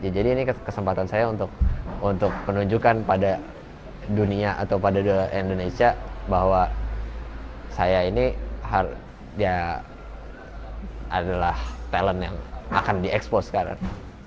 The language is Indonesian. jadi ini kesempatan saya untuk menunjukkan pada dunia atau pada indonesia bahwa saya ini adalah talent yang akan diekspos sekarang